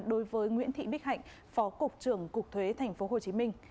đối với nguyễn thị bích hạnh phó cục trưởng cục thuế tp hcm